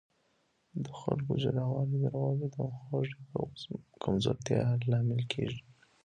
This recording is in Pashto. د خلکو جلاوالی د روابطو او همغږۍ په کمزورتیا لامل کیږي.